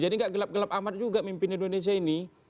jadi gak gelap gelap amat juga mimpin indonesia ini